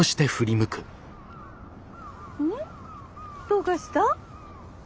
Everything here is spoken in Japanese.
どうかした？